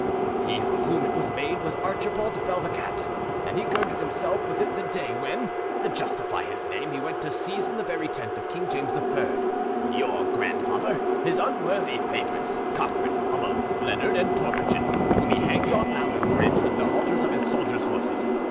He for whom it was made was Archibald Bell the Cat, and he girded himself with it the day when, to justify his name, he went to seize in the very tent of King James III, your grandfather, his un worthy favourites, Cochran, Hummel, Leonard, and Torpichen, whom he hanged on Louder Bridge with the halters of his soldiers' horses.